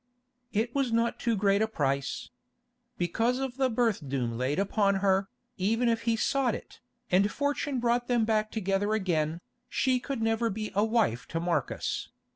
It was not too great a price. Because of the birth doom laid upon her, even if he sought it, and fortune brought them back together again, she could never be a wife to Marcus.